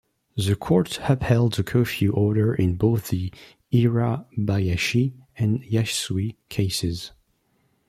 The Court upheld the curfew order in both the "Hirabayashi" and "Yasui" cases.